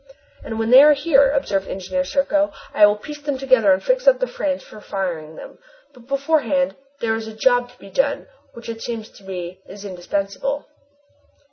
"And when they are here," observed Engineer Serko, "I will piece them together and fix up the frames for firing them. But beforehand, there is a job to be done which it seems to me is indispensable."